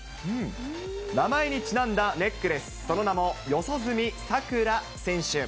名前にちなんだネックレス、その名も四十住さくら選手。